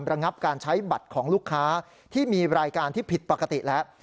ระงับการใช้บัตรของลูกค้าที่มีรายการที่ผิดปกติแล้ว